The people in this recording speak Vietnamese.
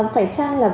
phải chăng là